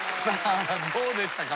どうでしたか？